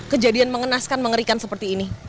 kejadian mengenaskan mengerikan seperti ini